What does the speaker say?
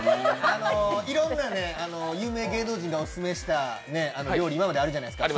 いろんな有名芸能人がオススメした料理、今まであるじゃないですか